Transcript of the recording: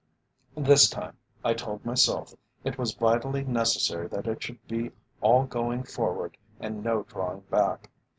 This time, I told myself, it was vitally necessary that it should be all going forward and no drawing back.